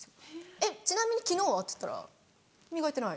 「えっちなみに昨日は？」って言ったら「磨いてない」。